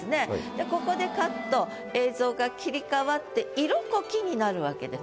でここでカット映像が切り替わって「色濃き」になるわけです。